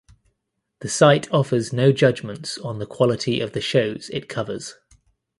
The site offers no judgments on the quality of the shows it covers.